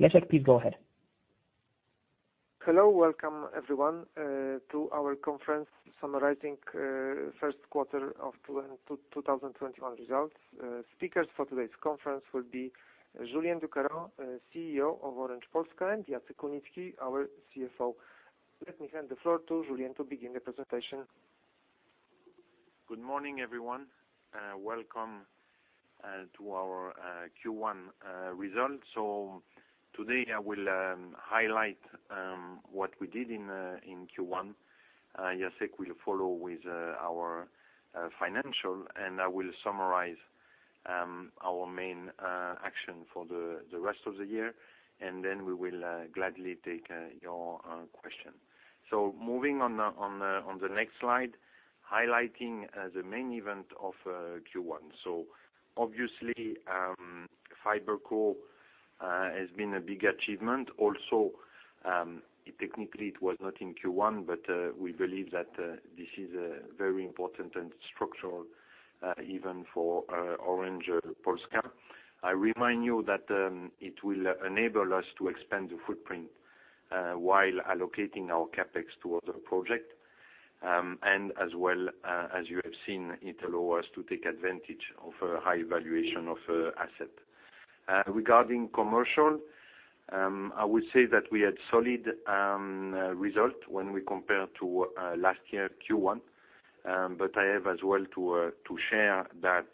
Leszek, please go ahead. Hello. Welcome, everyone, to our conference summarizing first quarter of 2021 results. Speakers for today's conference will be Julien Ducarroz, CEO of Orange Polska, and Jacek Kunicki, our CFO. Let me hand the floor to Julien to begin the presentation. Good morning, everyone. Welcome to our Q1 results. Today, I will highlight what we did in Q1. Jacek will follow with our financial, I will summarize our main action for the rest of the year, we will gladly take your question. Moving on the next slide, highlighting the main event of Q1. Obviously, FiberCo has been a big achievement. Also, technically it was not in Q1, but we believe that this is very important and structural event for Orange Polska. I remind you that it will enable us to expand the footprint while allocating our CapEx to other project. As well as you have seen, it allow us to take advantage of a high valuation of asset. Regarding commercial, I would say that we had solid result when we compare to last year Q1. I have as well to share that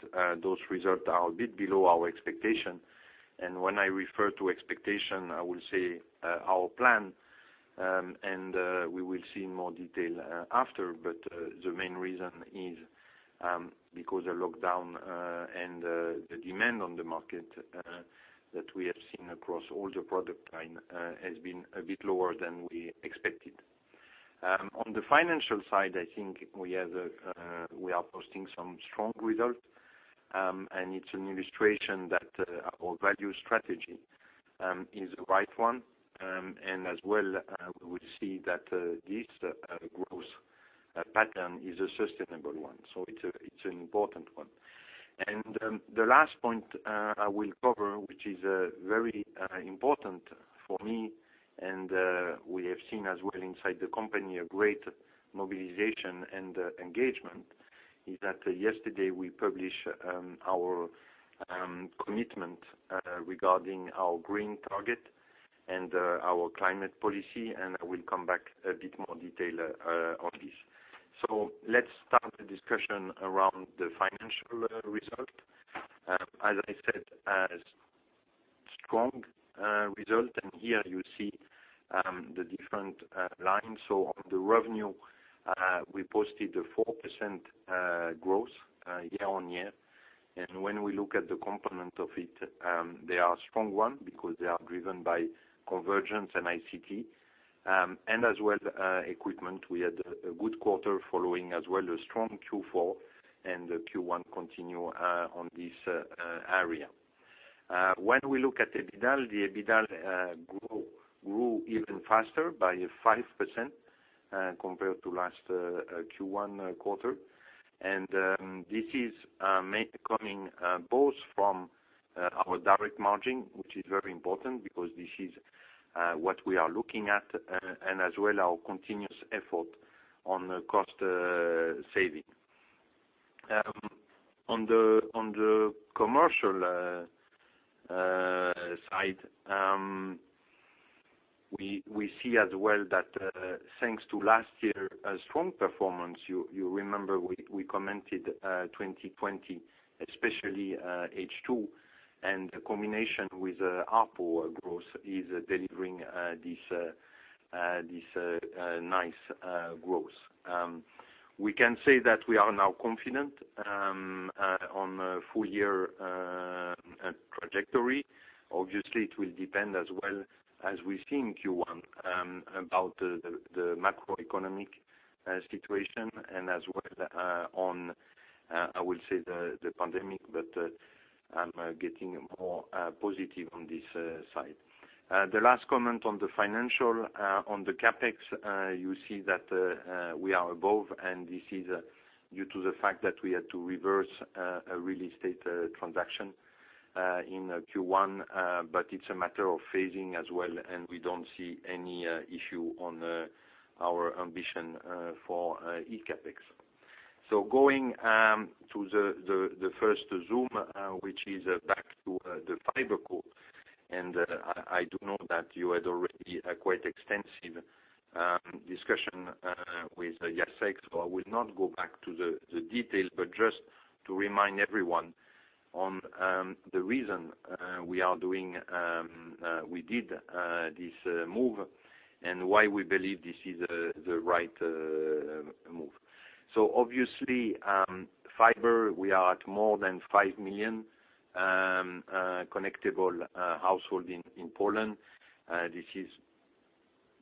those results are a bit below our expectation. When I refer to expectation, I will say our plan, and we will see in more detail after. The main reason is because the lockdown and the demand on the market that we have seen across all the product line has been a bit lower than we expected. On the financial side, I think we are posting some strong results. It's an illustration that our value strategy is the right one. As well, we will see that this growth pattern is a sustainable one. It's an important one. The last point I will cover, which is very important for me and we have seen as well inside the company a great mobilization and engagement, is that yesterday we published our commitment regarding our green target and our climate policy, and I will come back a bit more detail on this. Let's start the discussion around the financial result. As I said, a strong result, and here you see the different lines. On the revenue, we posted a 4% growth year-on-year. When we look at the component of it, they are a strong one because they are driven by convergence and ICT. As well the equipment, we had a good quarter following as well a strong Q4, and Q1 continue on this area. When we look at EBITDA, the EBITDA grew even faster by 5% compared to last Q1 quarter. This is coming both from our direct margin, which is very important because this is what we are looking at, and as well our continuous effort on cost saving. On the commercial side, we see as well that thanks to last year strong performance, you remember we commented 2020, especially H2, and the combination with ARPU growth is delivering this nice growth. We can say that we are now confident on a full year trajectory. Obviously, it will depend as well as we see in Q1 about the macroeconomic situation and as well on, I would say, the pandemic, but I'm getting more positive on this side. The last comment on the financial, on the CapEx, you see that we are above, and this is due to the fact that we had to reverse a real estate transaction in Q1. It's a matter of phasing as well, and we don't see any issue on our ambition for eCapEx. Going to the first zoom, which is back to the FiberCo. I do know that you had already a quite extensive discussion with Jacek, so I will not go back to the details, but just to remind everyone on the reason we did this move and why we believe this is the right move. Obviously, fiber, we are at more than 5 million connectable household in Poland. This is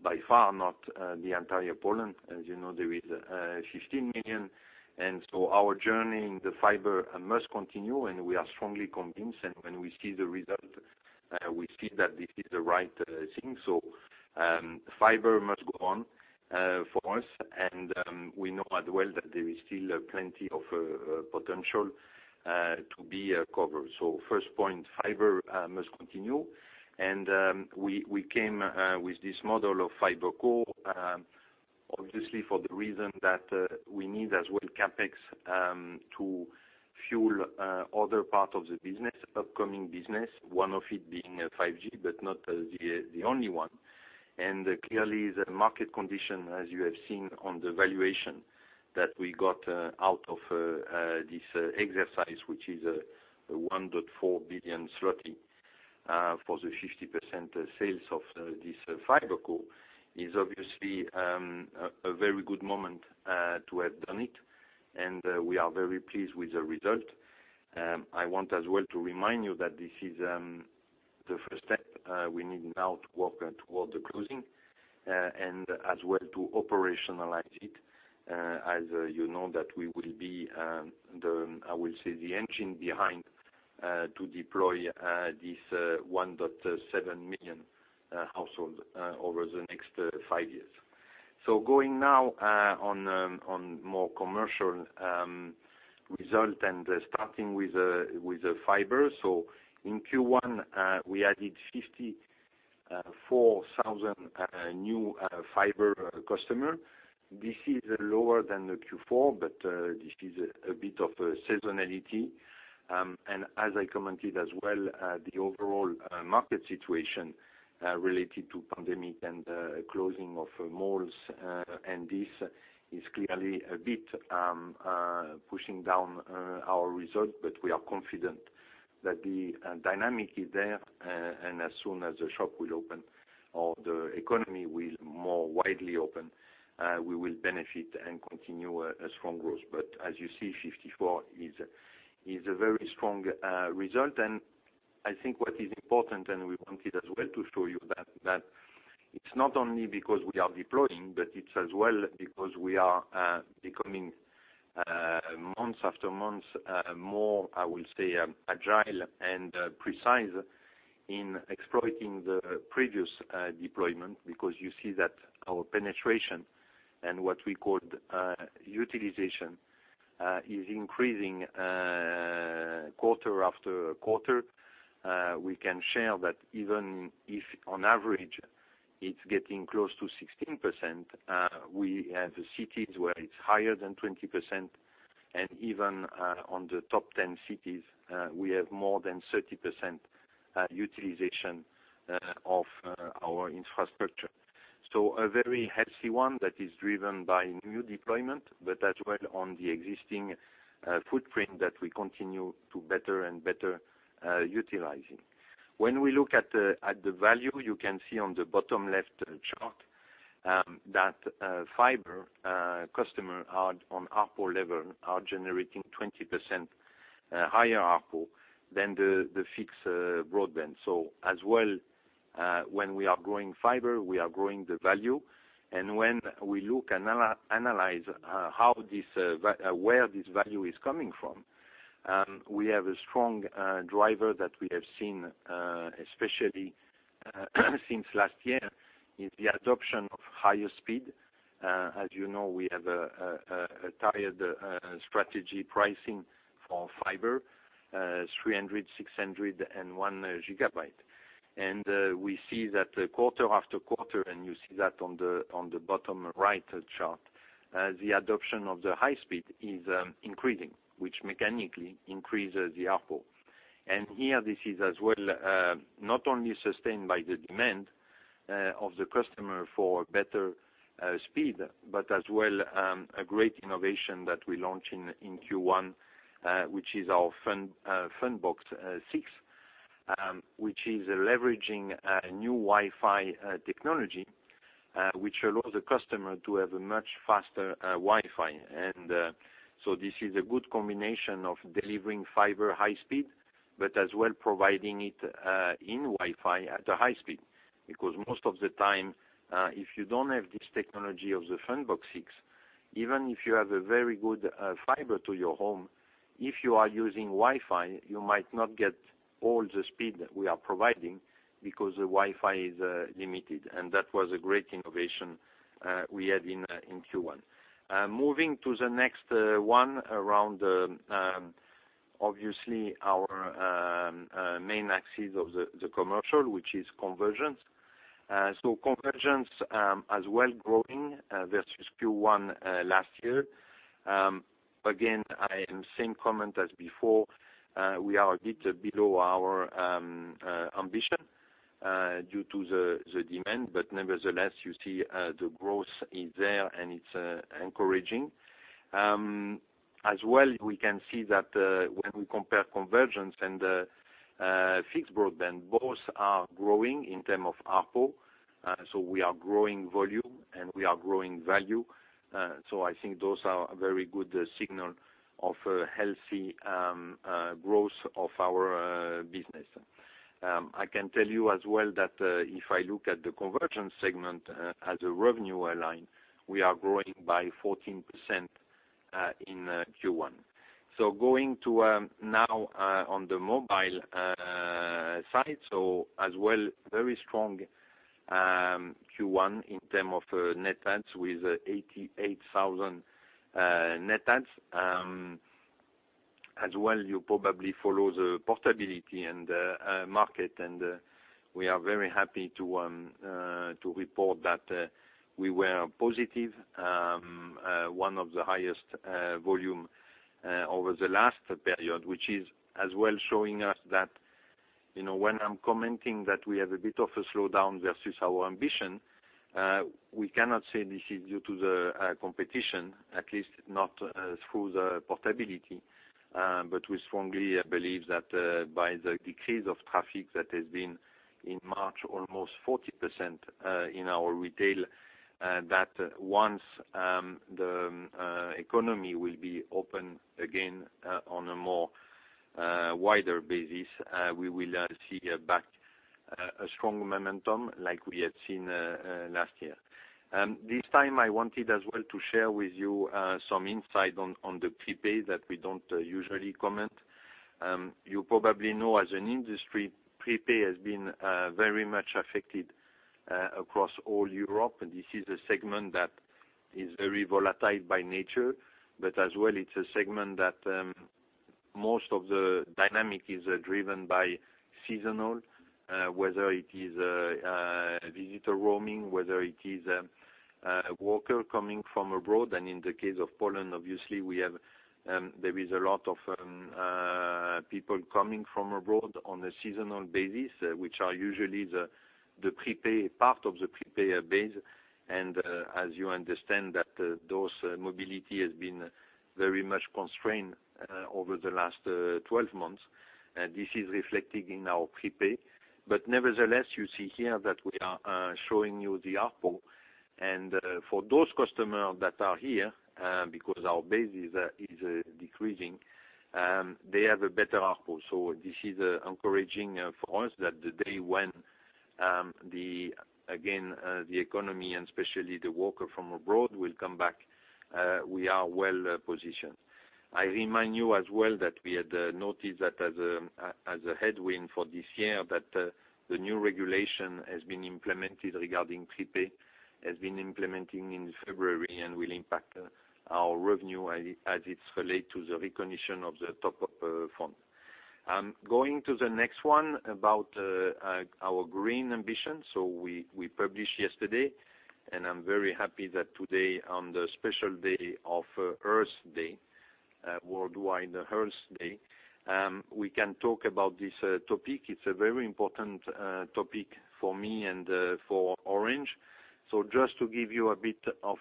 by far not the entire Poland. As you know, there is 15 million. Our journey in the fiber must continue, and we are strongly convinced, and when we see the result, we see that this is the right thing. Fiber must go on for us. We know as well that there is still plenty of potential to be covered. First point, fiber must continue. We came with this model of FiberCo, obviously for the reason that we need as well CapEx to fuel other parts of the business, upcoming business, one of it being 5G, but not the only one. Clearly, the market condition, as you have seen on the valuation that we got out of this exercise, which is 1.4 billion zloty for the 50% sales of this FiberCo, is obviously a very good moment to have done it. We are very pleased with the result. I want as well to remind you that this is the first step. We need now to work towards the closing and as well to operationalize it. You know that we will be the engine behind to deploy this 1.7 million households over the next five years. Going now on more commercial result and starting with the fiber. In Q1, we added 54,000 new fiber customer. This is lower than the Q4, this is a bit of a seasonality. As I commented as well, the overall market situation related to pandemic and closing of malls, this is clearly a bit pushing down our result. We are confident that the dynamic is there, as soon as the shop will open or the economy will more widely open, we will benefit and continue a strong growth. As you see, 54 is a very strong result. I think what is important, and we wanted as well to show you that it's not only because we are deploying, but it's as well because we are becoming months after months more, I will say, agile and precise in exploiting the previous deployment because you see that our penetration and what we call the utilization is increasing quarter after quarter. We can share that even if on average it's getting close to 16%, we have cities where it's higher than 20%, and even on the top 10 cities we have more than 30% utilization of our infrastructure. A very healthy one that is driven by new deployment, but as well on the existing footprint that we continue to better and better utilizing. When we look at the value, you can see on the bottom left chart that fiber customer on ARPU level are generating 20% higher ARPU than the fixed broadband. As well when we are growing fiber, we are growing the value. When we look and analyze where this value is coming from, we have a strong driver that we have seen especially since last year is the adoption of higher speed. As you know, we have a tiered strategy pricing for fiber 300, 600, and 1 GB. We see that quarter after quarter, and you see that on the bottom right chart, the adoption of the high speed is increasing, which mechanically increases the ARPU. Here this is as well not only sustained by the demand of the customer for better speed, but as well a great innovation that we launched in Q1 which is our Funbox 6, which is leveraging a new Wi-Fi technology which allows the customer to have a much faster Wi-Fi. This is a good combination of delivering fiber high speed, but as well providing it in Wi-Fi at a high speed. Because most of the time if you don't have this technology of the Funbox 6, even if you have a very good fiber to your home, if you are using Wi-Fi, you might not get all the speed we are providing because the Wi-Fi is limited. That was a great innovation we had in Q1. Moving to the next one around obviously our main axis of the commercial, which is convergence.. Convergence as well growing versus Q1 last year. Again, I am same comment as before. We are a bit below our ambition due to the demand, but nevertheless, you see the growth is there, and it's encouraging. As well, we can see that when we compare convergence and fixed broadband, both are growing in terms of ARPU. We are growing volume, and we are growing value. I think those are very good signal of a healthy growth of our business. I can tell you as well that if I look at the convergence segment as a revenue line, we are growing by 14% in Q1. Going to now on the mobile side. As well, very strong Q1 in terms of net adds with 88,000 net adds. As well, you probably follow the portability and market, and we are very happy to report that we were positive. One of the highest volume over the last period, which is as well showing us that, when I'm commenting that we have a bit of a slowdown versus our ambition, we cannot say this is due to the competition, at least not through the portability. We strongly believe that by the decrease of traffic that has been in March, almost 40% in our retail, that once the economy will be open again on a more wider basis, we will see back a strong momentum like we had seen last year. This time, I wanted as well to share with you some insight on the prepaid that we don't usually comment. You probably know as an industry, prepaid has been very much affected across all Europe, and this is a segment that is very volatile by nature. As well, it's a segment that most of the dynamic is driven by seasonal, whether it is a visitor roaming, whether it is a worker coming from abroad. In the case of Poland, obviously, there is a lot of people coming from abroad on a seasonal basis, which are usually the part of the prepaid base. As you understand that those mobility has been very much constrained over the last 12 months. This is reflected in our prepaid. Nevertheless, you see here that we are showing you the ARPU. For those customers that are here, because our base is decreasing, they have a better ARPU. This is encouraging for us that the day when again, the economy and especially the worker from abroad will come back, we are well positioned. I remind you as well that we had noticed that as a headwind for this year, that the new regulation has been implemented regarding prepaid, has been implementing in February and will impact our revenue as it relates to the recognition of the top-up fund. Going to the next one about our green ambition. We published yesterday, and I'm very happy that today, on the special day of Earth Day, worldwide Earth Day, we can talk about this topic. It's a very important topic for me and for Orange. Just to give you a bit of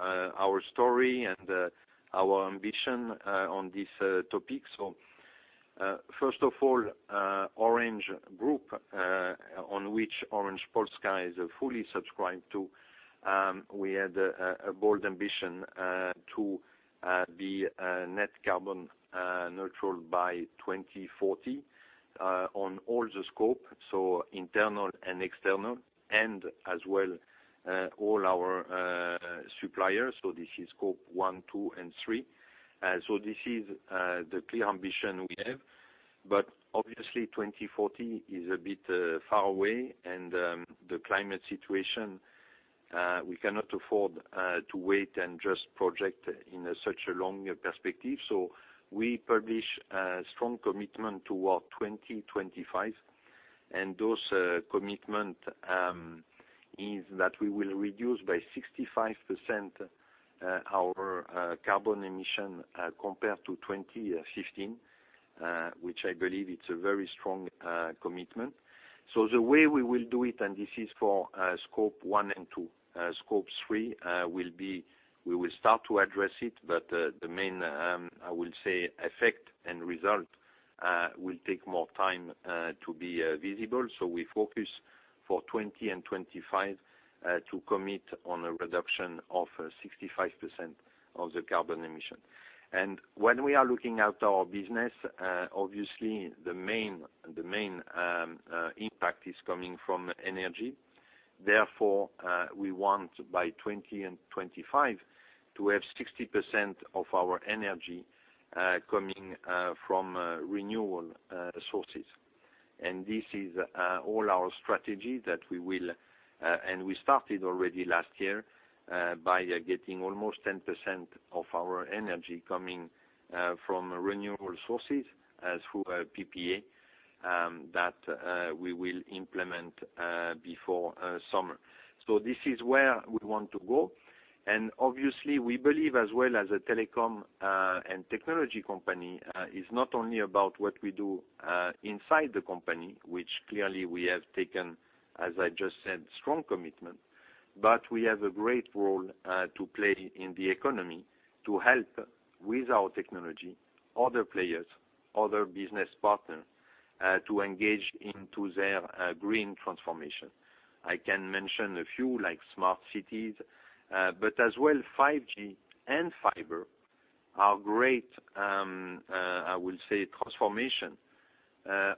our story and our ambition on this topic. First of all Orange Group, on which Orange Polska is fully subscribed to, we had a bold ambition to be net carbon neutral by 2040 on all the Scope, so internal and external, and as well all our suppliers. This is Scope 1, 2, and 3. This is the clear ambition we have. Obviously 2040 is a bit far away, and the climate situation, we cannot afford to wait and just project in such a long perspective. We publish a strong commitment toward 2025, and those commitment is that we will reduce by 65% our carbon emission compared to 2015, which I believe it's a very strong commitment. The way we will do it, and this is for Scope 1 and 2. Scope 3, we will start to address it, but the main, I will say, effect and result will take more time to be visible. We focus for 2025 to commit on a reduction of 65% of the carbon emission. When we are looking at our business, obviously the main impact is coming from energy. We want by 2025 to have 60% of our energy coming from renewable sources. This is all our strategy that we started already last year by getting almost 10% of our energy coming from renewable sources through PPA, that we will implement before summer. This is where we want to go. Obviously, we believe as well as a telecom and technology company, is not only about what we do inside the company, which clearly we have taken, as I just said, strong commitment, but we have a great role to play in the economy to help with our technology, other players, other business partners, to engage into their green transformation. I can mention a few like smart cities, but as well, 5G and fiber are great, I will say, transformation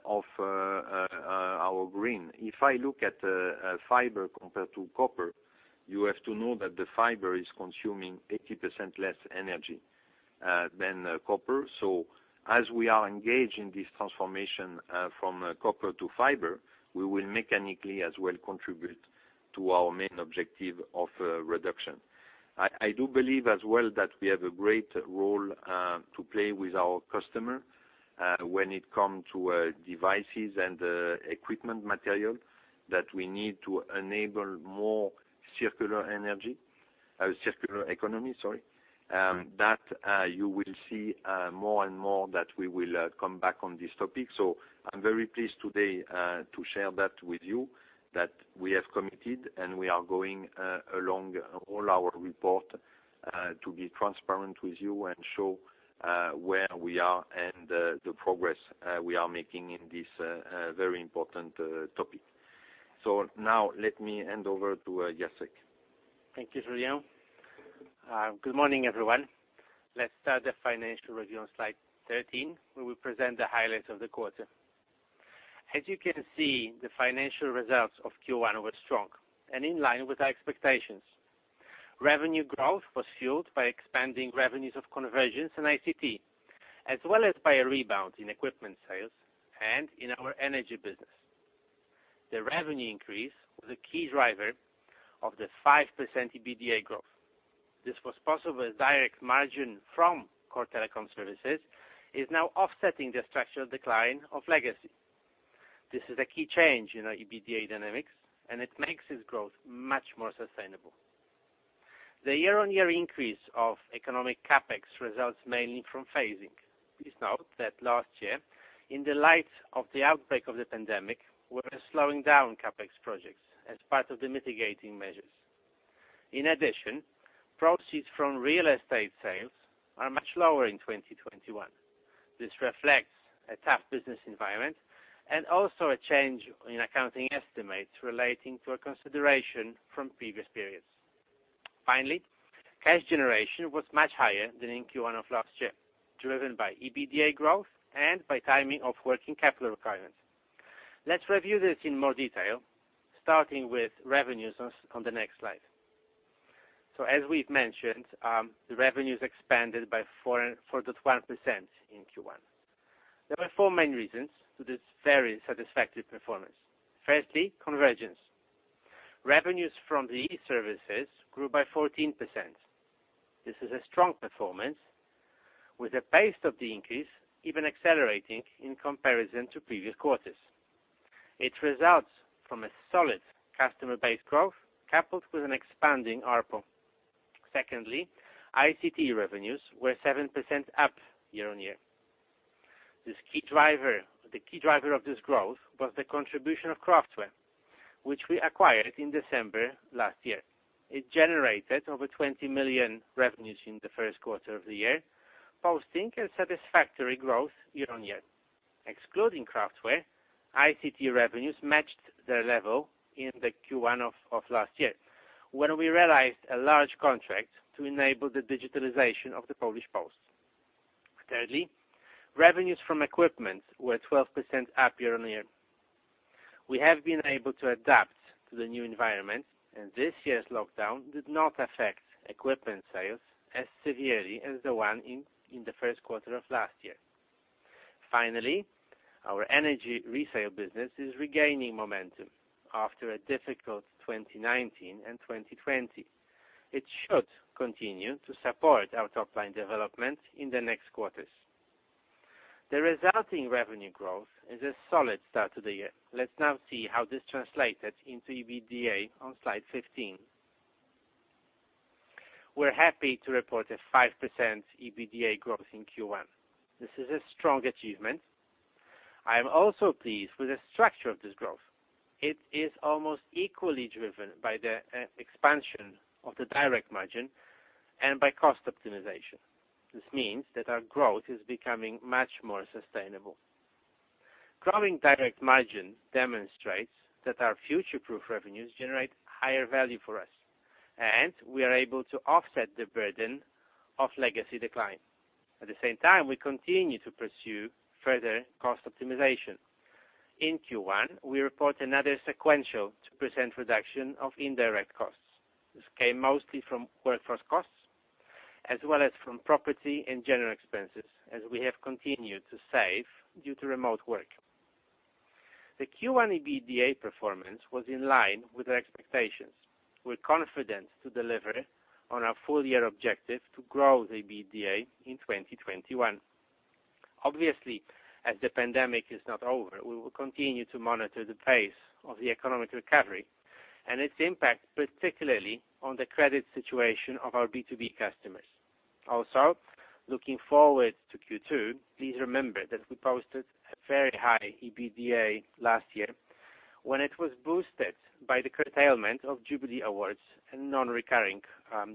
of our green. If I look at fiber compared to copper, you have to know that the fiber is consuming 80% less energy than copper. As we are engaged in this transformation from copper to fiber, we will mechanically as well contribute to our main objective of reduction. I do believe as well that we have a great role to play with our customer when it comes to devices and equipment material that we need to enable more circular energy, circular economy, sorry. You will see more and more that we will come back on this topic. I'm very pleased today to share that with you, that we have committed and we are going along all our report to be transparent with you and show where we are and the progress we are making in this very important topic. Now let me hand over to Jacek. Thank you, Julien. Good morning, everyone. Let's start the financial review on slide 13, where we present the highlights of the quarter. As you can see, the financial results of Q1 were strong and in line with our expectations. Revenue growth was fueled by expanding revenues of convergence and ICT, as well as by a rebound in equipment sales and in our energy business. The revenue increase was a key driver of the 5% EBITDA growth. This was possible as direct margin from core telecom services is now offsetting the structural decline of legacy. This is a key change in our EBITDA dynamics, and it makes this growth much more sustainable. The year-on-year increase of economic CapEx results mainly from phasing. Please note that last year, in the light of the outbreak of the pandemic, we were slowing down CapEx projects as part of the mitigating measures. In addition, proceeds from real estate sales are much lower in 2021. This reflects a tough business environment and also a change in accounting estimates relating to a consideration from previous periods. Finally, cash generation was much higher than in Q1 of last year, driven by EBITDA growth and by timing of working capital requirements. Let's review this in more detail, starting with revenues on the next slide. As we've mentioned, the revenues expanded by 4.1% in Q1. There were four main reasons to this very satisfactory performance. Firstly, convergence. Revenues from these services grew by 14%. This is a strong performance with the pace of the increase even accelerating in comparison to previous quarters. It results from a solid customer base growth coupled with an expanding ARPU. Secondly, ICT revenues were 7% up year-on-year. The key driver of this growth was the contribution of Craftware, which we acquired in December last year. It generated over 20 million revenues in the first quarter of the year, posting a satisfactory growth year-on-year. Excluding Craftware, ICT revenues matched their level in the Q1 of last year, when we realized a large contract to enable the digitalization of the Polish Post. Thirdly, revenues from equipment were 12% up year-on-year. We have been able to adapt to the new environment, and this year's lockdown did not affect equipment sales as severely as the one in the first quarter of last year. Finally, our energy resale business is regaining momentum after a difficult 2019 and 2020. It should continue to support our top-line development in the next quarters. The resulting revenue growth is a solid start to the year. Let's now see how this translated into EBITDA on slide 15. We're happy to report a 5% EBITDA growth in Q1. This is a strong achievement. I am also pleased with the structure of this growth. It is almost equally driven by the expansion of the direct margin and by cost optimization. This means that our growth is becoming much more sustainable. Growing direct margin demonstrates that our future-proof revenues generate higher value for us, and we are able to offset the burden of legacy decline. At the same time, we continue to pursue further cost optimization. In Q1, we report another sequential 2% reduction of indirect costs. This came mostly from workforce costs, as well as from property and general expenses, as we have continued to save due to remote work. The Q1 EBITDA performance was in line with our expectations. We're confident to deliver on our full year objective to grow the EBITDA in 2021. Obviously, as the pandemic is not over, we will continue to monitor the pace of the economic recovery and its impact, particularly on the credit situation of our B2B customers. Also, looking forward to Q2, please remember that we posted a very high EBITDA last year when it was boosted by the curtailment of jubilee awards and non-recurring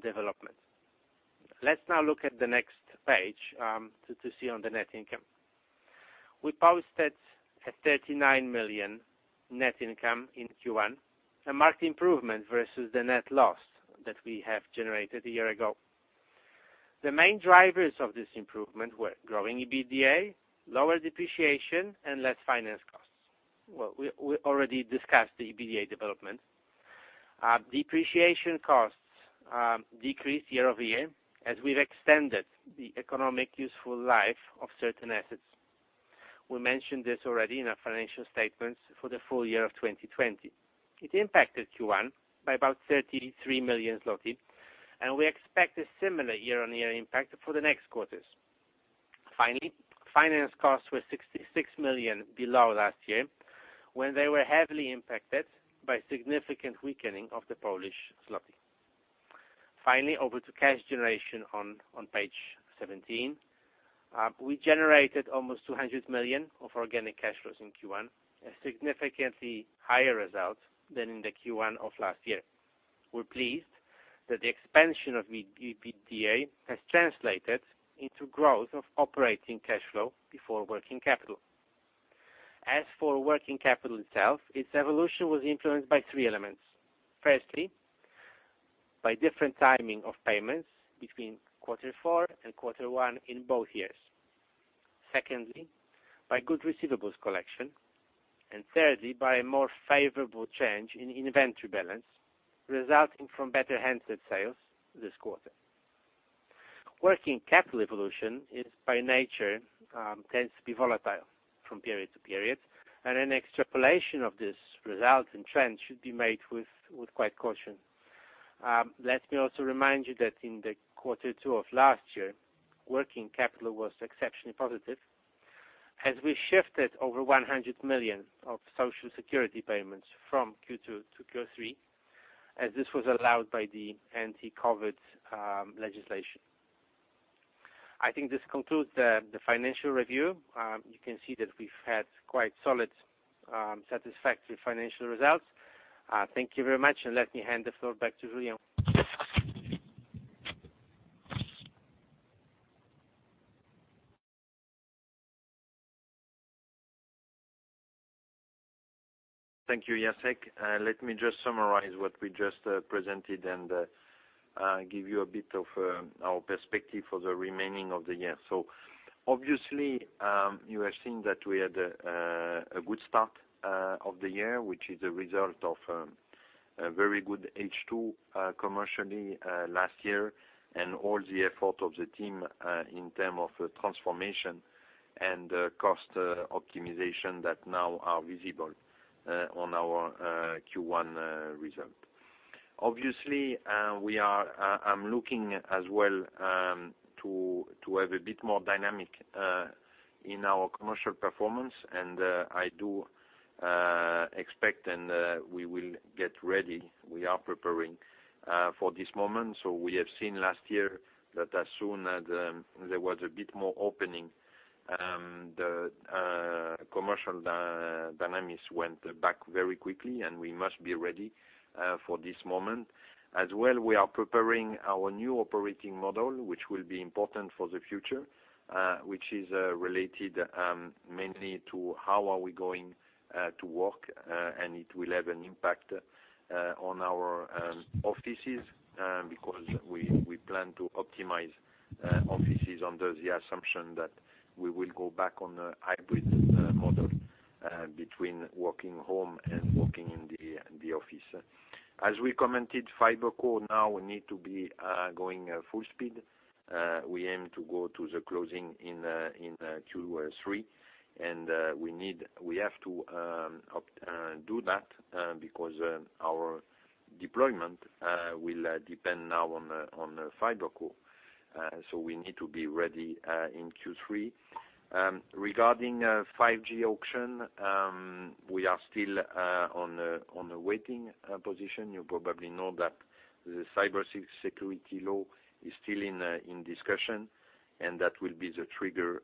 developments. Let's now look at the next page to see on the net income. We posted a 39 million net income in Q1, a marked improvement versus the net loss that we have generated a year ago. The main drivers of this improvement were growing EBITDA, lower depreciation, and less finance costs. Well, we already discussed the EBITDA development. Depreciation costs decreased year-over-year as we've extended the economic useful life of certain assets. We mentioned this already in our financial statements for the full year of 2020. It impacted Q1 by about 33 million zloty and we expect a similar year-on-year impact for the next quarters. Finally, finance costs were 66 million below last year, when they were heavily impacted by significant weakening of the Polish złoty. Finally, over to cash generation on page 17. We generated almost 200 million of organic cash flows in Q1, a significantly higher result than in the Q1 of last year. We're pleased that the expansion of EBITDA has translated into growth of operating cash flow before working capital. As for working capital itself, its evolution was influenced by three elements. Firstly, by different timing of payments between quarter four and quarter one in both years. Secondly, by good receivables collection. Thirdly, by a more favorable change in inventory balance resulting from better handset sales this quarter. Working capital evolution by nature tends to be volatile from period to period, and an extrapolation of this result and trend should be made with quite caution. Let me also remind you that in the quarter two of last year, working capital was exceptionally positive as we shifted over 100 million of social security payments from Q2 to Q3, as this was allowed by the anti-COVID legislation. I think this concludes the financial review. You can see that we've had quite solid, satisfactory financial results. Thank you very much, and let me hand the floor back to Julien. Thank you, Jacek. Let me just summarize what we just presented and give you a bit of our perspective for the remaining of the year. Obviously, you have seen that we had a good start of the year, which is a result of a very good H2 commercially last year and all the effort of the team in terms of transformation and cost optimization that now are visible on our Q1 result. Obviously, I'm looking as well to have a bit more dynamic in our commercial performance and I do expect, and we will get ready, we are preparing for this moment. We have seen last year that as soon as there was a bit more opening, the commercial dynamics went back very quickly and we must be ready for this moment. We are preparing our new operating model which will be important for the future, which is related mainly to how are we going to work, and it will have an impact on our offices because we plan to optimize offices under the assumption that we will go back on a hybrid model between working home and working in the office. As we commented, FiberCo now need to be going full speed. We aim to go to the closing in Q3 and we have to do that because our deployment will depend now on FiberCo. We need to be ready in Q3. Regarding 5G auction, we are still on a waiting position. You probably know that the cybersecurity law is still in discussion and that will be the trigger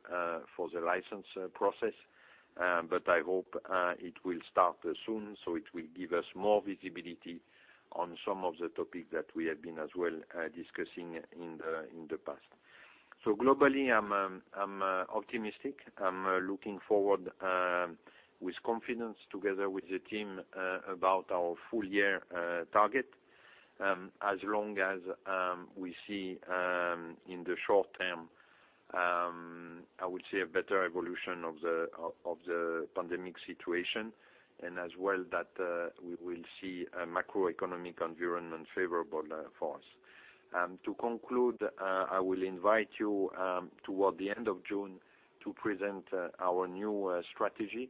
for the license process. I hope it will start soon, so it will give us more visibility on some of the topics that we have been as well discussing in the past. Globally, I'm optimistic. I'm looking forward with confidence together with the team about our full year target. As long as we see in the short-term, I would say a better evolution of the pandemic situation and as well that we will see a macroeconomic environment favorable for us. To conclude, I will invite you toward the end of June to present our new strategy.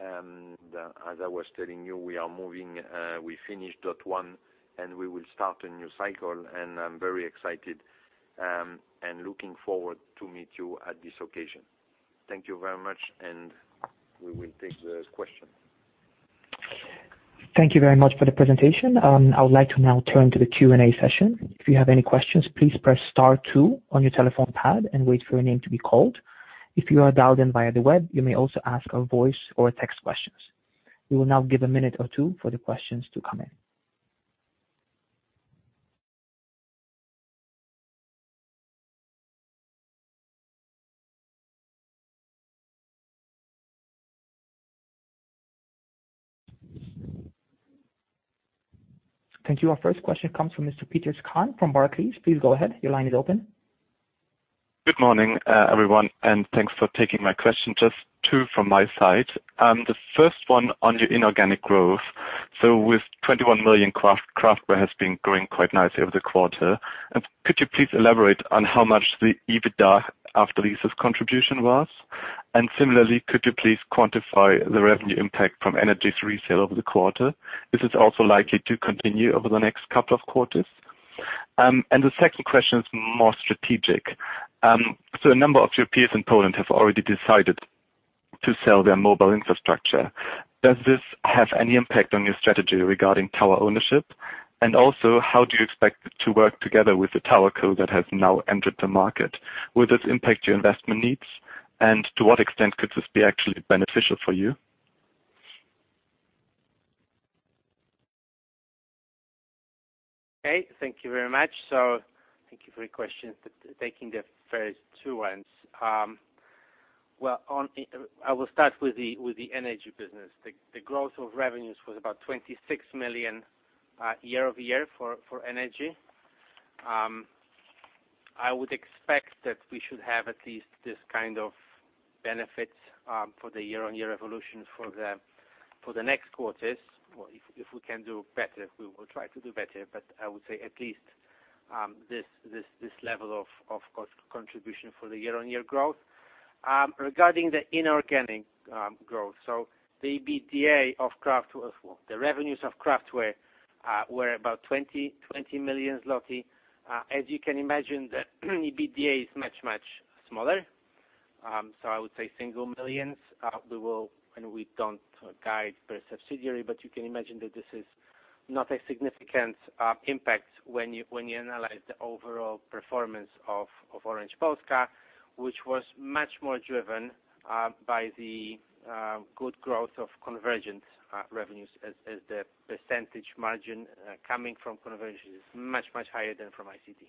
As I was telling you, we are moving. We finished that one and we will start a new cycle and I'm very excited and looking forward to meet you at this occasion. Thank you very much and we will take the questions. Thank you very much for the presentation. I would like to now turn to the Q&A session. Our first question comes from Mr. Titus Krahn from Barclays. Please go ahead. Your line is open. Good morning, everyone, and thanks for taking my question. Just two from my side. The first one on your inorganic growth. With 21 million, Craftware has been growing quite nicely over the quarter. Could you please elaborate on how much the EBITDA contribution was? Similarly, could you please quantify the revenue impact from energy resale over the quarter? Is this also likely to continue over the next couple of quarters? The second question is more strategic. A number of your peers in Poland have already decided to sell their mobile infrastructure. Does this have any impact on your strategy regarding tower ownership? Also, how do you expect to work together with the TowerCo that has now entered the market? Will this impact your investment needs, and to what extent could this be actually beneficial for you? Okay. Thank you very much. Thank you for your question. Taking the first two ones. I will start with the energy business. The growth of revenues was about 26 million year-over-year for energy. I would expect that we should have at least this kind of benefits for the year-on-year evolution for the next quarters. If we can do better, we will try to do better. I would say at least this level of cost contribution for the year-on-year growth. Regarding the inorganic growth, the EBITDA of Craftware, the revenues of Craftware were about 20 million zloty. As you can imagine, the EBITDA is much, much smaller. I would say single millions. We don't guide per subsidiary, but you can imagine that this is not a significant impact when you analyze the overall performance of Orange Polska, which was much more driven by the good growth of convergent revenues as the percentage margin coming from convergent is much, much higher than from ICT.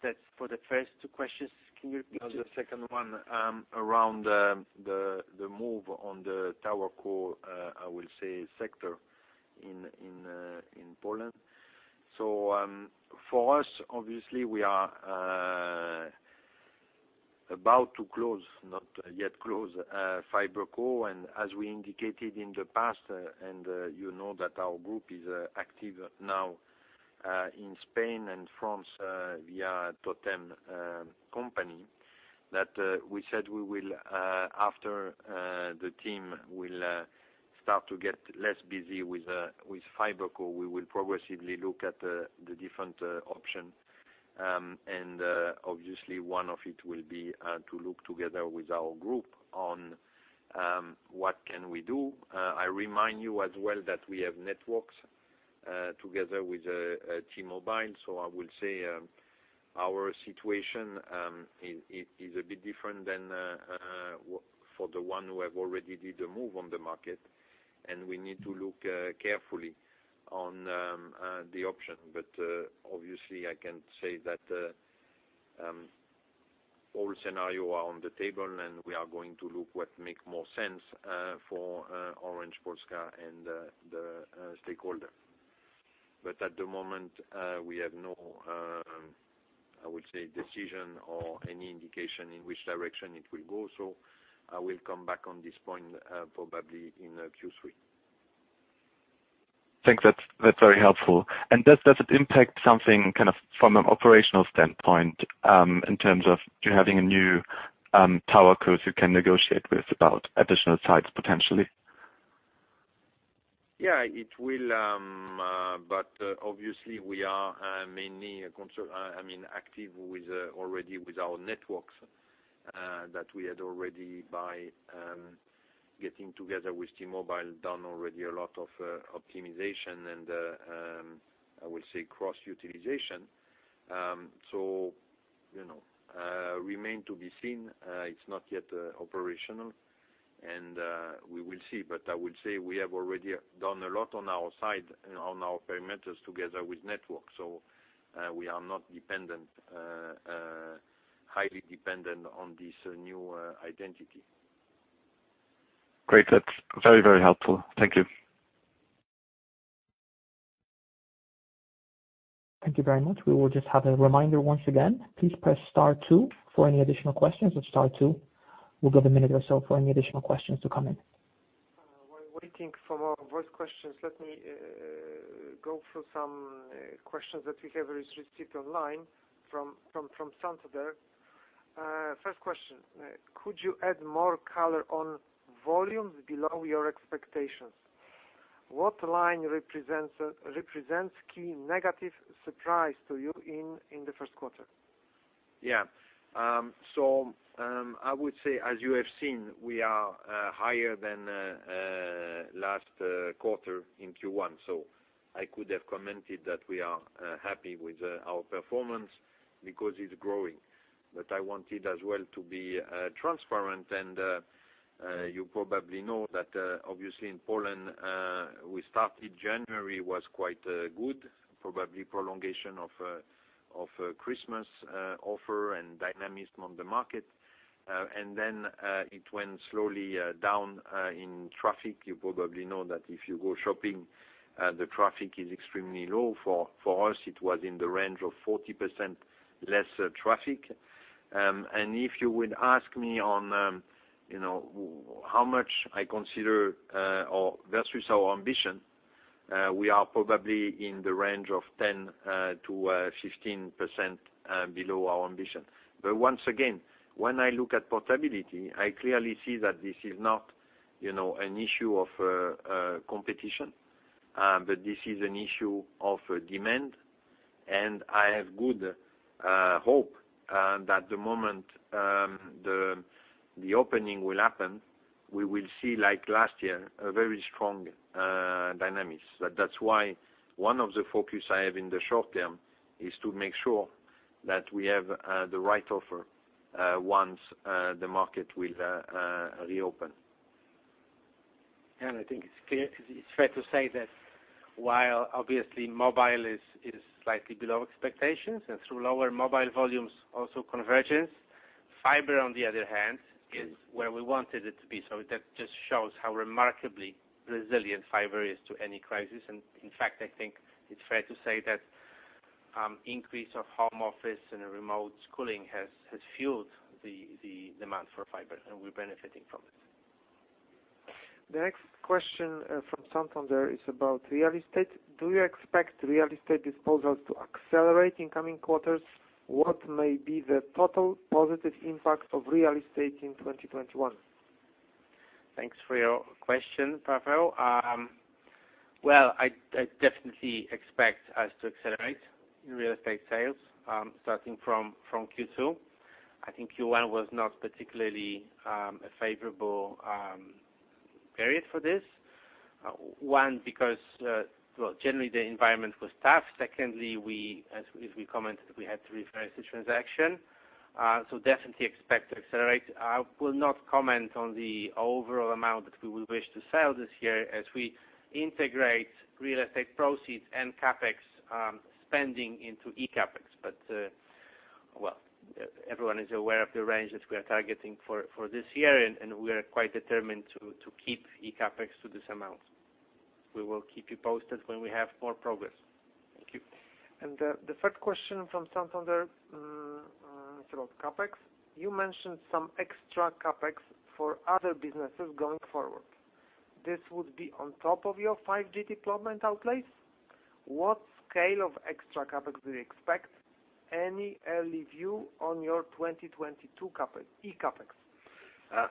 That's for the first two questions. Can you repeat? The second one around the move on the TowerCo, I will say sector in Poland. For us, obviously we are about to close, not yet closed, FiberCo. As we indicated in the past, you know that our group is active now in Spain and France via TOTEM company, that we said after the team will start to get less busy with FiberCo, we will progressively look at the different options. Obviously one of it will be to look together with our group on what can we do. I remind you as well that we have NetWorkS! together with T-Mobile, so I will say our situation is a bit different than for the one who have already did the move on the market, and we need to look carefully on the option. Obviously I can say that all scenario are on the table, we are going to look what make more sense for Orange Polska and the stakeholder. At the moment we have no, I would say, decision or any indication in which direction it will go. I will come back on this point probably in Q3. Think that's very helpful. Does it impact something from an operational standpoint in terms of you having a new TowerCo you can negotiate with about additional sites potentially? It will, obviously we are mainly active already with our NetWorkS! that we had already, by getting together with T-Mobile, done already a lot of optimization and I will say cross-utilization. Remain to be seen. It's not yet operational, we will see. I would say we have already done a lot on our side and on our perimeters together with network. We are not highly dependent on this new identity. Great. That's very helpful. Thank you. Thank you very much. We will just have a reminder once again. Please press star two for any additional questions. Star two. We'll give a minute or so for any additional questions to come in. While waiting for more voice questions, let me go through some questions that we have received online from Santander. First question, could you add more color on volumes below your expectations? What line represents key negative surprise to you in the first quarter? Yeah. I would say, as you have seen, we are higher than last quarter in Q1, so I could have commented that we are happy with our performance because it's growing. I wanted as well to be transparent, and you probably know that obviously in Poland, we started January was quite good, probably prolongation of Christmas offer and dynamism on the market. It went slowly down in traffic. You probably know that if you go shopping, the traffic is extremely low. For us, it was in the range of 40% less traffic. If you would ask me on how much I consider versus our ambition, we are probably in the range of 10%-15% below our ambition. Once again, when I look at portability, I clearly see that this is not an issue of competition, but this is an issue of demand. I have good hope that the moment the opening will happen, we will see, like last year, a very strong dynamics. That's why one of the focus I have in the short term is to make sure that we have the right offer once the market will reopen. I think it's fair to say that while obviously mobile is slightly below expectations and through lower mobile volumes also convergence, fiber, on the other hand, is where we wanted it to be. That just shows how remarkably resilient fiber is to any crisis. In fact, I think it's fair to say that increase of home office and remote schooling has fueled the demand for fiber, and we're benefiting from it. The next question from Santander is about real estate. Do you expect real estate disposals to accelerate in coming quarters? What may be the total positive impact of real estate in 2021? Thanks for your question, Pavel. Well, I definitely expect us to accelerate in real estate sales, starting from Q2. I think Q1 was not particularly a favorable period for this. One, because, well, generally the environment was tough. Secondly, as we commented, we had to refresh the transaction. Definitely expect to accelerate. I will not comment on the overall amount that we will wish to sell this year as we integrate real estate proceeds and CapEx spending into eCapEx. Well, everyone is aware of the range that we are targeting for this year, and we are quite determined to keep eCapEx to this amount. We will keep you posted when we have more progress. Thank you. The third question from Santander is about CapEx. You mentioned some extra CapEx for other businesses going forward. This would be on top of your 5G deployment outlays. What scale of extra CapEx do you expect? Any early view on your 2022 eCapEx?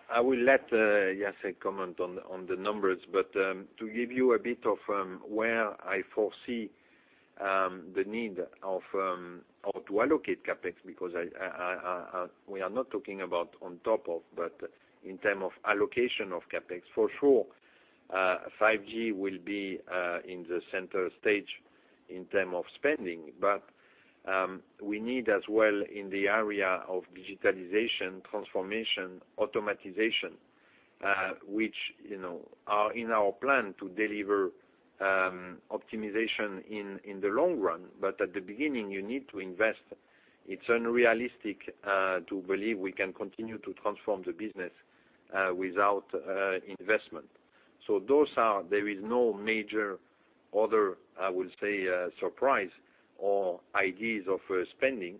I will let Jacek comment on the numbers, but to give you a bit of where I foresee the need to allocate CapEx, because we are not talking about on top of, but in term of allocation of CapEx. For sure, 5G will be in the center stage in term of spending. We need as well in the area of digitalization, transformation, automatization, which are in our plan to deliver optimization in the long run. At the beginning, you need to invest. It's unrealistic to believe we can continue to transform the business without investment. There is no major other, I would say, surprise or ideas of spending,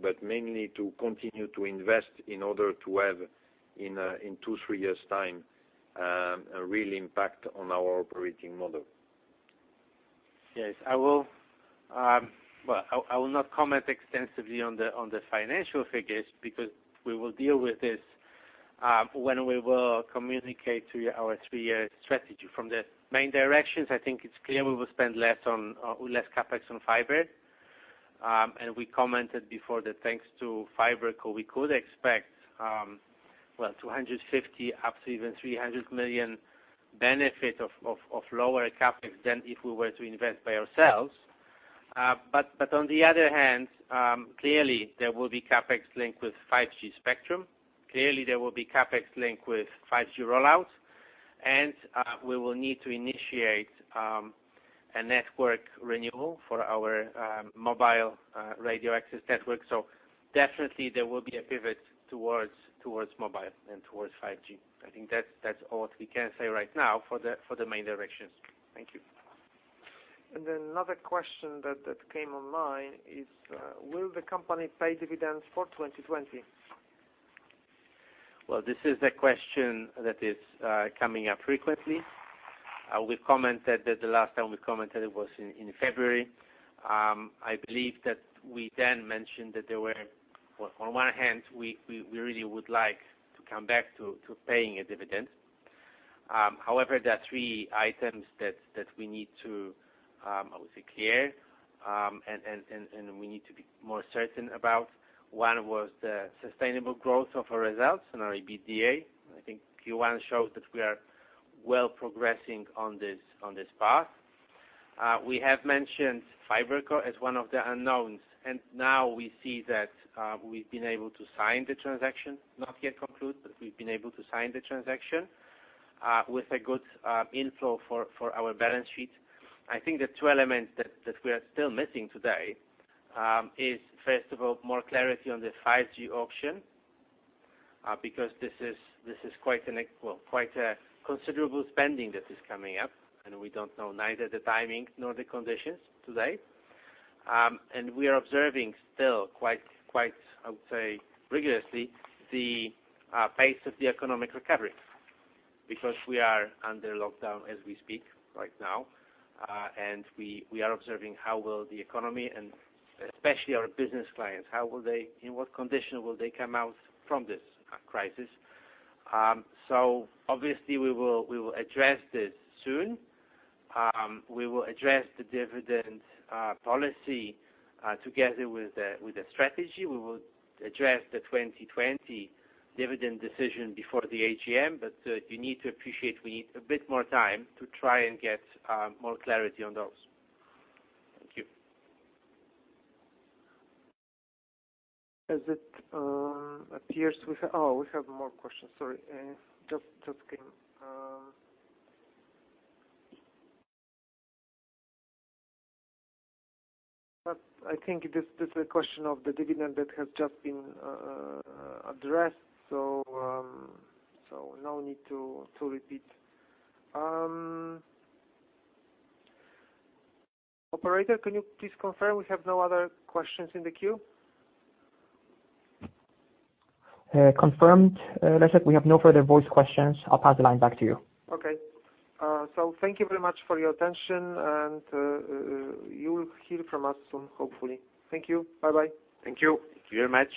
but mainly to continue to invest in order to have, in two, three years' time, a real impact on our operating model. Yes. I will not comment extensively on the financial figures because we will deal with this when we will communicate our three-year strategy. From the main directions, I think it's clear we will spend less CapEx on fiber. We commented before that thanks to FiberCo, we could expect 250 million-300 million benefit of lower CapEx than if we were to invest by ourselves. On the other hand, clearly there will be CapEx linked with 5G spectrum. Clearly, there will be CapEx linked with 5G rollouts, and we will need to initiate a network renewal for our mobile Radio Access Network. Definitely, there will be a pivot towards mobile and towards 5G. I think that's all we can say right now for the main directions. Thank you. Another question that came online is: Will the company pay dividends for 2020? Well, this is a question that is coming up frequently. The last time we commented was in February. I believe that we then mentioned that there were, on one hand, we really would like to come back to paying a dividend. However, there are three items that we need to, I would say, clear, and we need to be more certain about. One was the sustainable growth of our results and our EBITDA. I think Q1 shows that we are well progressing on this path. We have mentioned FiberCo as one of the unknowns, and now we see that we've been able to sign the transaction, not yet conclude, but we've been able to sign the transaction with a good inflow for our balance sheet. I think the two elements that we are still missing today is, first of all, more clarity on the 5G auction, because this is quite a considerable spending that is coming up, and we don't know neither the timing nor the conditions today. We are observing still quite, I would say, rigorously, the pace of the economic recovery, because we are under lockdown as we speak right now. We are observing how will the economy and especially our business clients, in what condition will they come out from this crisis. Obviously we will address this soon. We will address the dividend policy together with the strategy. We will address the 2020 dividend decision before the AGM. You need to appreciate we need a bit more time to try and get more clarity on those. Thank you. As it appears we have more questions. Sorry. Just came. I think this is a question of the dividend that has just been addressed, so no need to repeat. Operator, can you please confirm we have no other questions in the queue? Confirmed, Leszek, we have no further voice questions. I'll pass the line back to you. Okay. Thank you very much for your attention, and you will hear from us soon, hopefully. Thank you. Bye-bye. Thank you. Thank you very much.